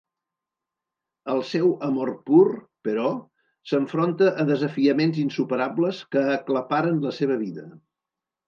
El seu amor pur, però, s'enfronta a desafiaments insuperables que aclaparen la seva vida.